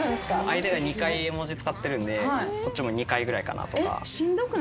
相手が２回絵文字使ってるんでこっちも２回ぐらいかなとか。しんどくないですか？